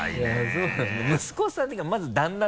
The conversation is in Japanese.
そうなんだよね。